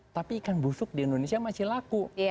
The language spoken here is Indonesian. tapi ikan busuk di indonesia masih laku